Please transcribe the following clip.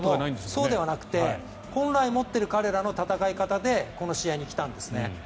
そうではなくて本来持っている彼らの戦い方でこの試合に来たんですね。